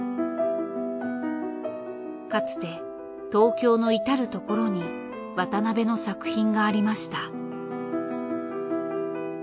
かつて東京の至る所に渡辺の作品がありました。